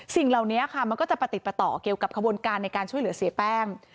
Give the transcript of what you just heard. สิ่งเหล่านี้ค่ะมันก็จะประติดประต่อเกี่ยวกับขบวนการในการช่วยเหลือเสียแป้ง